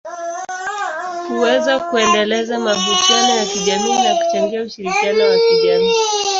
huweza kuendeleza mahusiano ya kijamii na kuchangia ushirikiano wa kijamii.